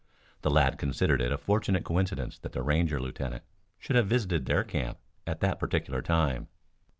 The lad considered it a fortunate coincidence that the Ranger lieutenant should have visited their camp at that particular time.